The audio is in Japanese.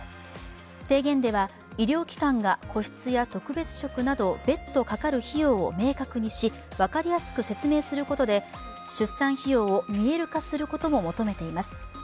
提言では、医療機関が個室や特別食など別途かかる費用を明確にし分かりやすく説明することで出産費用を見える化することも求めています。